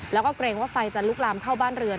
แล้วก็เกรงว่าไฟจะลุกลามเข้าบ้านเรือน